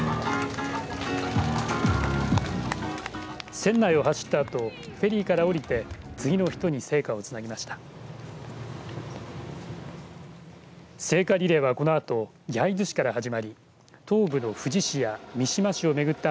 船内を走ったあとフェリーから下りて次の人に聖火をつなぎました。